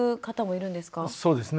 そうですね